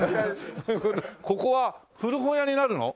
ここは古本屋になるの？